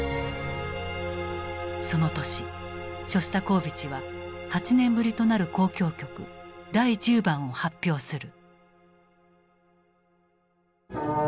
その年ショスタコーヴィチは８年ぶりとなる「交響曲第１０番」を発表する。